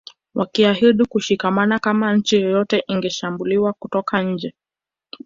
Wakiahidi kushikamana kama nchi yoyote ingeshambuliwa kutoka nje